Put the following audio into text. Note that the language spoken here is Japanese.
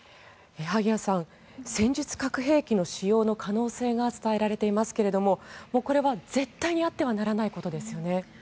萩谷さん、戦術核兵器の使用の可能性が伝えられていますがこれは絶対にあってはならないことですよね。